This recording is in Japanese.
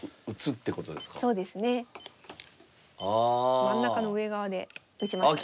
真ん中の上側で打ちましたね。